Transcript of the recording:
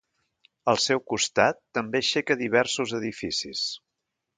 Al seu costat, també aixeca diversos edificis.